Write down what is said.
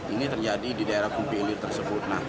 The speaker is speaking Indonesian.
ini terjadi di daerah kumpi ilir tersebut